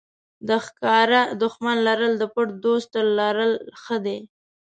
د ښکاره دښمن لرل د پټ دوست تر لرل ښه دي.